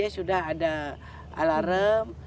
sudah ada alarm